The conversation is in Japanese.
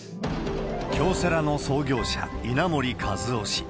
京セラの創業者、稲盛和夫氏。